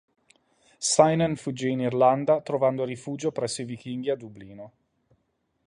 Cynan fuggì in Irlanda, trovando rifugio presso i Vichinghi a Dublino.